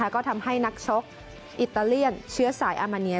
ก็ทำให้นักชกอิตาเลียนเชื้อสายอามาเนีย